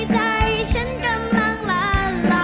ใจฉันกำลังละลา